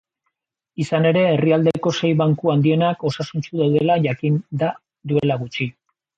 Izan ere, herrialdeko sei banku handienak osasuntsu daudela jakin da duela gutxi.